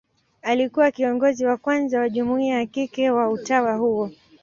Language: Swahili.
Alikuwa kiongozi wa kwanza wa jumuia ya kike wa utawa huo.